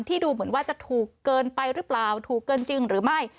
ดูเหมือนว่าจะถูกเกินไปหรือเปล่าถูกเกินจริงหรือไม่